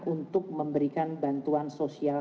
untuk memberikan bantuan sosial